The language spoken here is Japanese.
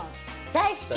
大好き。